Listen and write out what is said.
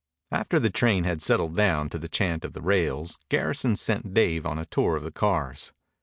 After the train had settled down to the chant of the rails Garrison sent Dave on a tour of the cars.